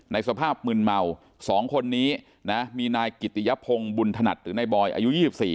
สภาพมึนเมา๒คนนี้นะมีนายกิติยพงศ์บุญถนัดหรือนายบอยอายุ๒๔